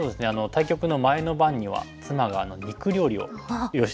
対局の前の晩には妻が肉料理を用意してくれてまして。